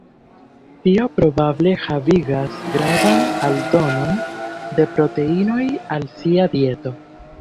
Tio probable havigas gravan aldonon de proteinoj al sia dieto.